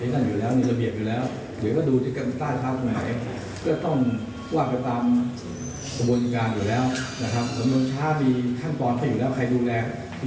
ถ้ามีท่านพรเจ้าอยู่แล้วสิ่งที่เราอยู่แล้ว